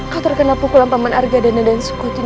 kau terkena pukulan paman arjadana dan sukutin